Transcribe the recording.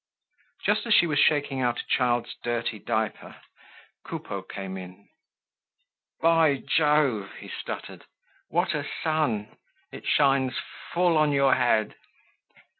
Just as she was shaking out a child's dirty diaper, Coupeau came in. "By Jove!" he stuttered, "what a sun! It shines full on your head!"